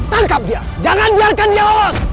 tangkap dia jangan biarkan dia lolos